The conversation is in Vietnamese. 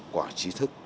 quả trí thức